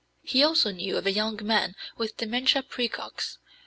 He also knew a young man with dementia præcox?